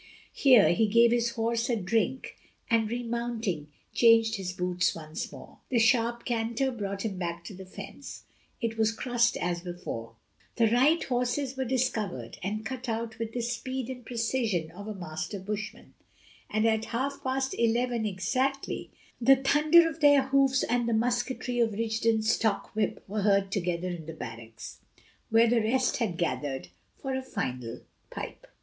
Here he gave his horse a drink, and, remounting, changed his boots once more. A sharp canter brought him back to the fence; it was crossed as before; the right horses were discovered and cut out with the speed and precision of a master bushman; and at half past eleven exactly the thunder of their hoofs and the musketry of Rigden's stock whip were heard together in the barracks, where the rest had gathered for a final pipe.